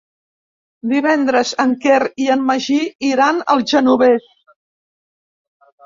Divendres en Quer i en Magí iran al Genovés.